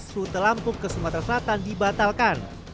selalu telampung ke sumatera selatan dibatalkan